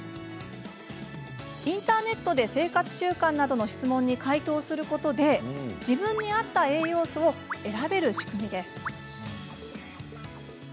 インターネットで生活習慣などの質問に回答することで自分に合った栄養素を選べる仕組みです。